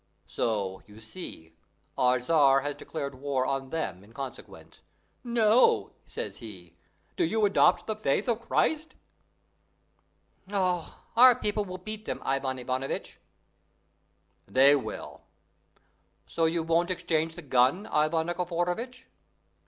"So, you see, our Tzar has declared war on them in consequence. 'No,' says he, 'do you adopt the faith of Christ!'" "Oh, our people will beat them, Ivan Ivanovitch!" "They will. So you won't exchange the gun, Ivan Nikiforovitch?"